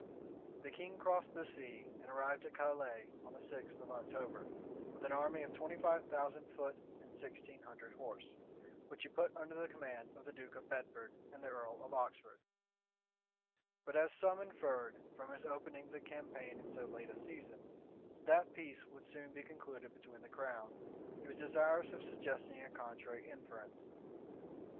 The king crossed the sea, and arrived at Calais on the sixth of October, with an army of twenty five thousand foot and sixteen hundred horse, which he put under the command of the duke of Bedford and the earl of Oxford: but as some inferred, from his opening the campaign in so late a season, that peace would soon be concluded between the crowns, he was desirous of suggesting a contrary inference.